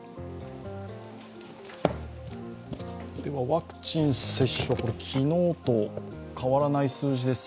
ワクチン接種は昨日と変わらない数字です。